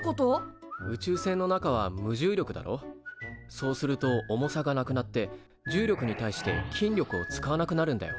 そうすると重さがなくなって重力に対して筋力を使わなくなるんだよ。